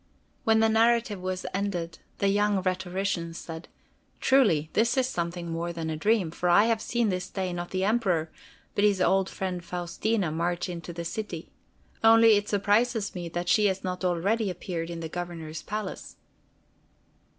When the narrative was ended, the young rhetorician said: "Truly, this is something more than a dream, for I have seen this day not the Emperor, but his old friend Faustina, march into the city. Only it surprises me that she has not already appeared in the Governor's palace."